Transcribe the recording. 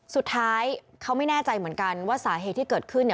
สุดท้ายเขาไม่แน่ใจเหมือนกันว่าสาเหตุที่เกิดขึ้นเนี่ย